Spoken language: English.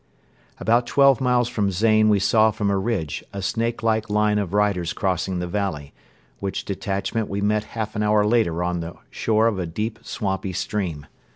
About twelve miles from Zain we saw from a ridge a snakelike line of riders crossing the valley, which detachment we met half an hour later on the shore of a deep, swampy stream.